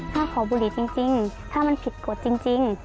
ถ้าขอบุหรี่จริงถ้ามันผิดกฎจริง